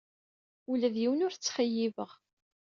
Ula d yiwen ur t-ttxeyyibeɣ.